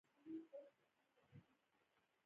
بل د سهي خوراک نۀ پېژندل ،